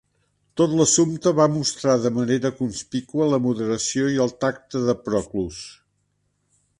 Tot l'assumpte va mostrar de manera conspícua la moderació i el tacte de Proclus.